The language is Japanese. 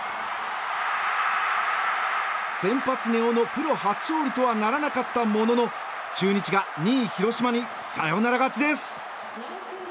先発の根尾のプロ初勝利とはならなかったものの中日が２位広島にサヨナラ勝ちです。